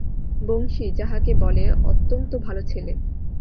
বংশী, যাহাকে বলে, অত্যন্ত ভালো ছেলে।